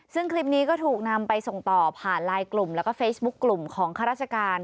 ซึ่งคลิปนี้ก็ถูกนำไปส่งต่อผ่านไลน์กลุ่มแล้วก็เฟซบุ๊คกลุ่มของข้าราชการ